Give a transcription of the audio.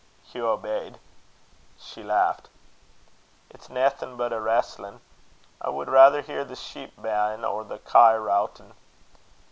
Hugh obeyed. She laughed. "It's naething but a reestlin'. I wad raither hear the sheep baain', or the kye routin'."